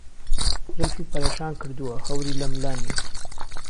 زولفی پهرێشان کردووه ههوری له ملانیهتی